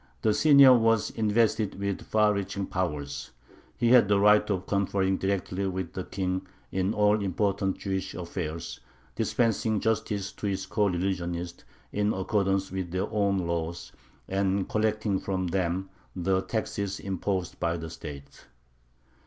The "senior" was invested with far reaching powers: he had the right of conferring directly with the king in all important Jewish affairs, dispensing justice to his coreligionists in accordance with their own laws, and collecting from them the taxes imposed by the state.